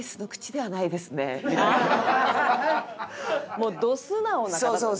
もうど素直な方ですね。